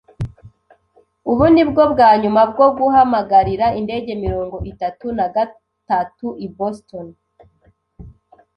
Ubu ni bwo bwa nyuma bwo guhamagarira Indege mirongo itatu na gatatu i Boston.